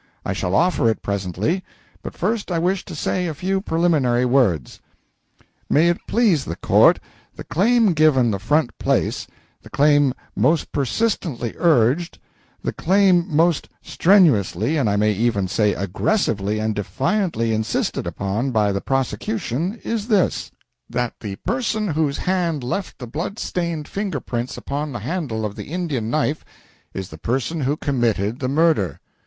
I shall offer it presently; but first I wish to say a few preliminary words. "May it please the Court, the claim given the front place, the claim most persistently urged, the claim most strenuously and I may even say aggressively and defiantly insisted upon by the prosecution, is this that the person whose hand left the blood stained finger prints upon the handle of the Indian knife is the person who committed the murder."